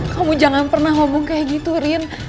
kamu jangan pernah ngomong kayak gitu rian